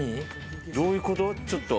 どういうこと？